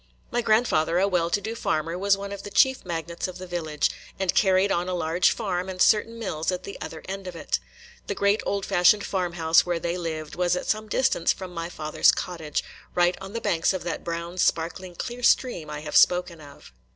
My grandfather, a well to do farmer, was one of the chief magnates of the village, and carried on a large farm and certain mills at the other end of it. The great old fashioned farm house where they lived was at some distance from my father's cottage, right on the banks of that brown, sparkling, clear stream I have spoken of.